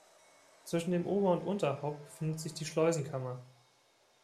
Zwischen dem Ober- und Unterhaupt befindet sich die Schleusenkammer.